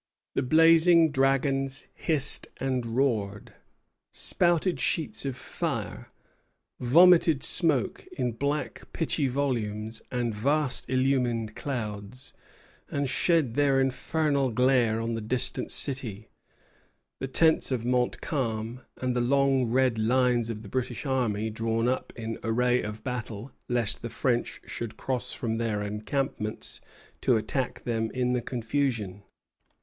The blazing dragons hissed and roared, spouted sheets of fire, vomited smoke in black, pitchy volumes and vast illumined clouds, and shed their infernal glare on the distant city, the tents of Montcalm, and the long red lines of the British army, drawn up in array of battle, lest the French should cross from their encampments to attack them in the confusion.